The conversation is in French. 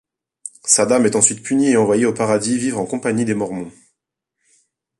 Saddam est ensuite puni et envoyé au Paradis vivre en compagnie des Mormons.